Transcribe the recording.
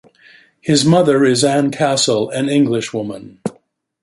His mother is Anne Castle, an English woman.